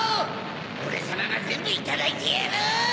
・・オレさまがぜんぶいただいてやる！